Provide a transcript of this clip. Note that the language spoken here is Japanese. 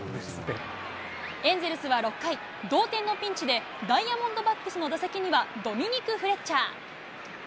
エンゼルスは６回、同点のピンチで、ダイヤモンドバックスの打席には、ドミニク・フレッチャー。